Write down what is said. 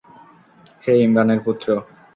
হে ইমরানের পুত্র!